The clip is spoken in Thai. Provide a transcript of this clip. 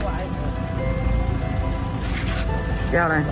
ระวังแค่ไว